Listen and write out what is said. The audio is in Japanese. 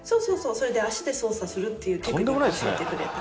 それで足で操作するっていうテクニックを教えてくれた。